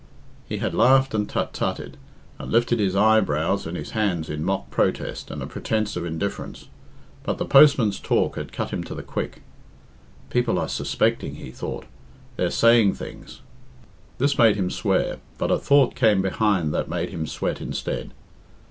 He had laughed and tut tutted, and lifted his eyebrows and his hands in mock protest and a pretence of indifference, but the postman's talk had cut him to the quick. "People are suspecting," he thought. "They're saying things." This made him swear, but a thought came behind that made him sweat instead.